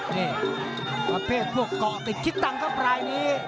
นี่ประเภทพวกเกาะติดคิดตังค์ครับรายนี้